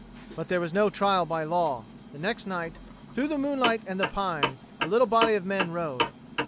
But there was no trial by law. The next night, through the moonlight and the pines, a little body of men rode.